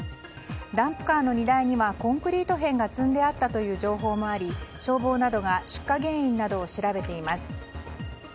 ダンプカーの荷台にはコンクリート片が積んであったという情報もあり消防などが出火原因などを調べています。